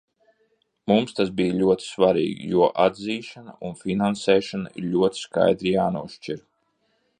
Mums tas bija ļoti svarīgi, jo atzīšana un finansēšana ir ļoti skaidri jānošķir.